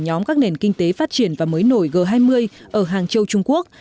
nhóm các nền kinh tế phát triển và mới nổi g hai mươi ở hàng châu trung quốc